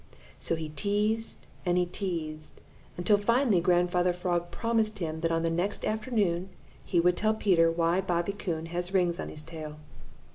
So he teased and he teased until finally Grandfather Frog promised him that on the next afternoon he would tell Peter why Bobby Coon has rings on his tail.